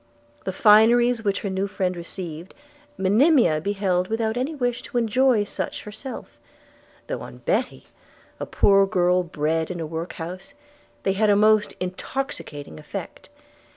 The fineries which her new friend received Monimia beheld without any wish to enjoy such herself; though on Betty, a poor girl bred in a workhouse, they had a most intoxicating effect.